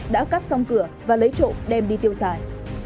đã cắt xong cửa và lấy trộm đem đi tiêu xài